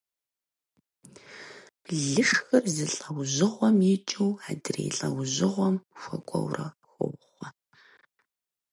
Лышхыр зы лӀэужьыгъуэм икӀыу адрей лӀэужьыгъуэм хуэкӀуэурэ хохъуэ.